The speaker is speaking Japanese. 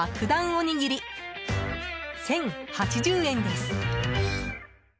おにぎり１０８０円です。